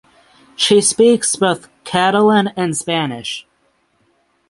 She speaks both Catalan and Spanish.